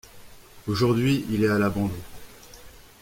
Aujourd'hui, il est à l'abandon.